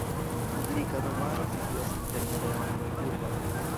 Publika domaro situas interne de la muroj urbaj.